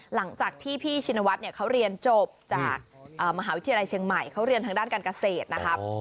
หลังจากที่พี่ชินวัฒน์เขาเรียนจบจากมหาวิทยาลัยเชียงใหม่เขาเรียนทางด้านการเกษตรนะครับ